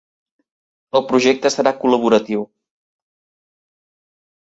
El projecte serà col·laboratiu.